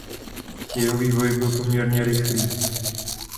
Jeho vývoj byl poměrně rychlý.